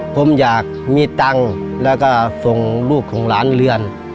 ผมอยากมีตังค์แล้วก็ส่งลูกส่งหลานเรียน